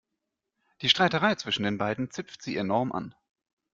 Die Streiterei zwischen den beiden zipft sie enorm an.